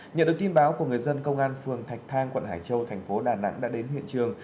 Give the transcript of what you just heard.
nhận được tin báo của người dân công an phường thạch thang quận hải châu thành phố đà nẵng đã đến hiện trường